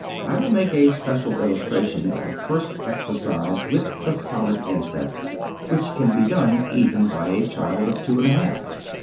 I will make a special illustration of the first exercise with the solid insets, which can be done even by a child of two and a half.